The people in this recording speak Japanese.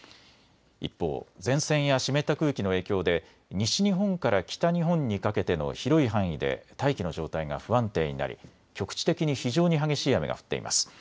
一方、前線や湿った空気の影響で西日本から北日本にかけての広い範囲で大気の状態が不安定になり局地的に非常に激しい雨が降っています。